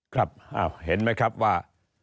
ครับเห็นไหมครับว่า